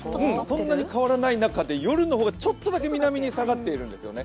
そんなに変わらない中で夜の方がちょっとだけ南に下がっているんですよね。